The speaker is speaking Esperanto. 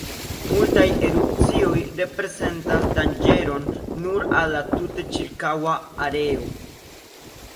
Multaj erupcioj reprezentas danĝeron nur al la tute ĉirkaŭa areo.